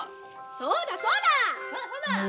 そうだそうだ！